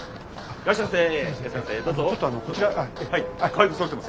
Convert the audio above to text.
いらっしゃいませ。